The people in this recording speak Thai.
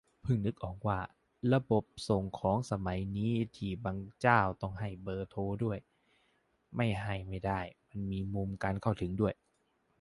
เพิ่งนึกออกว่า ระบบส่งของสมัยนี้ที่บางเจ้าต้องให้เบอร์โทรด้วย ไม่ให้ไม่ได้ มันมีมุมการเข้าถึงด้วย